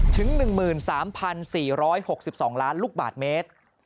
ถึง๑๓๔๖๒ล้านลูกบาทเมตร